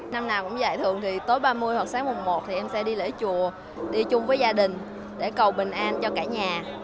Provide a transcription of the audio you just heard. năm nào cũng giải thưởng thì tối ba mươi hoặc sáng mùng một thì em sẽ đi lễ chùa đi chung với gia đình để cầu bình an cho cả nhà